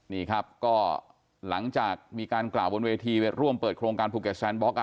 นี่ครับก็หลังจากมีการกล่าวบนเวทีไปร่วมเปิดโครงการภูเก็ตแซนบล็อก